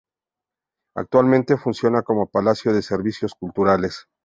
Actualmente funciona como Palacio de Servicios Culturales.